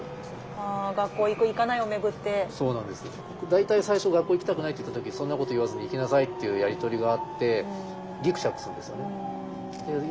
大体最初「学校行きたくない」って言った時「そんなこと言わずに行きなさい」っていうやり取りがあってぎくしゃくするんですよね。